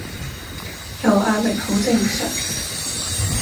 有壓力好正常